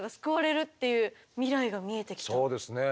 そうですね。